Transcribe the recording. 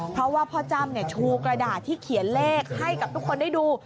เพราะว่าพ่อจ้ำชูกระดาษที่เขียนเลขให้กับทุกคนได้ดู